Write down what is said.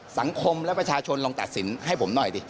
สังคมและประชาชนลองตัดสินให้ผมหน่อยดิ